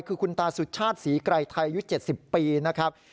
คือคุณตาสุชาติศรีไกรไทยอายุ๗๐ปีนะครับ